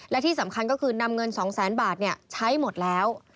และที่สำคัญก็คือนำเงิน๒แสนบาทใช้หมดแล้ว